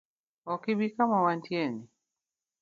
Ok ibi kama wantieni?